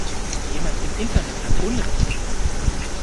Jemand im Internet hat unrecht.